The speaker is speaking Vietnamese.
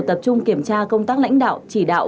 tập trung kiểm tra công tác lãnh đạo chỉ đạo